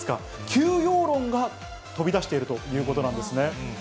休養論が飛び出しているということなんですね。